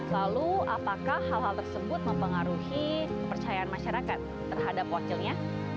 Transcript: lalu apakah hal hal tersebut mempengaruhi kepercayaan masyarakat terhadap wakilnya